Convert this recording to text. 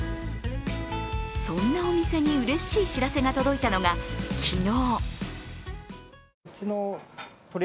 そんなお店にうれしい知らせが届いたのは昨日。